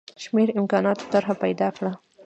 شمېر امکاناتو طرح پیدا کړه.